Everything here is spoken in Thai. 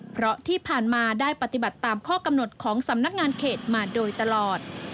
เพราะที่ผ่านมาได้ปฏิบัติตามข้อกำหนดของสำนักงานเขตมาโดยตลอด